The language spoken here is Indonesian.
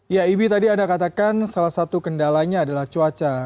ya ibi tadi anda katakan salah satu kendalanya adalah cuaca